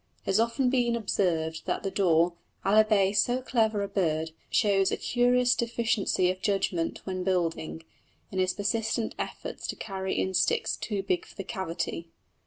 It has often been observed that the daw, albeit so clever a bird, shows a curious deficiency of judgment when building, in his persistent efforts to carry in sticks too big for the cavity.